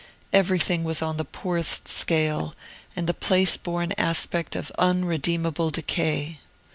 Everything was on the poorest scale, and the place bore an aspect of unredeemable decay.